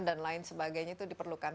dan lain sebagainya itu diperlukan